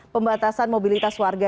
pembatasan mobilitas warga